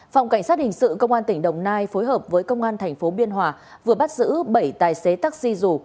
phòng cảnh sát hình sự công an tỉnh đồng nai phối hợp với công an thành phố biên hòa vừa bắt giữ bảy tài xế taxi rủ